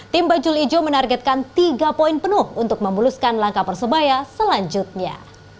tim bajul ijo menargetkan tiga poin penuh untuk memuluskan langkah persebaya selanjutnya